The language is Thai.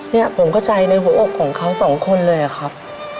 เนี่ยผมเข้าใจในหัวอกของเขาสองคนเลยอะครับ